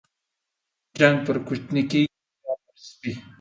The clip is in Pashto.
جنگ پر کوچني کېږي ، يا پر سپي.